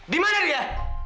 di mana dia